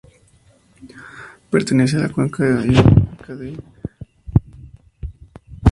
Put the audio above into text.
Pertenece a la cuenca hidrográfica del Guadalquivir.